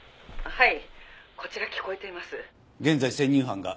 はい。